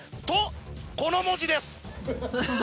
とこの文字です。